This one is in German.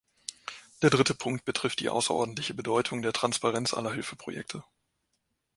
Der dritte Punkt betrifft die außerordentliche Bedeutung der Transparenz aller Hilfeprojekte.